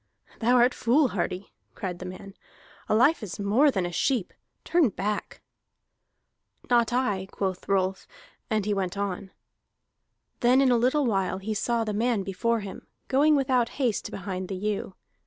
"Thou art foolhardy," cried the man. "A life is more than a sheep. Turn back!" "Not I," quoth Rolf, and he went on. Then in a little while he saw the man before him, going without haste behind the ewe.